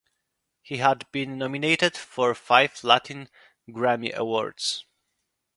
He had been nominated for five Latin Grammy awards.